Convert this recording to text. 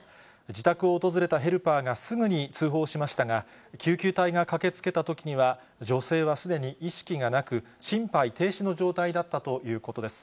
自宅を訪れたヘルパーがすぐに通報しましたが、救急隊が駆けつけたときには、女性はすでに意識がなく、心肺停止の状態だったということです。